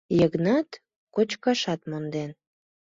Йыгнат кочкашат монден.